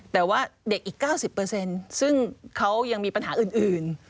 แต่ว่าเด็กอีก๙๐ซึ่งเขายังมีปัญหาอื่น